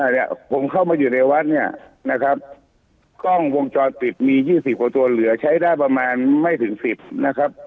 เนี่ยผมเข้ามาอยู่ในวัดเนี่ยนะครับกล้องวงจรปิดมียี่สิบกว่าตัวเหลือใช้ได้ประมาณไม่ถึงสิบนะครับ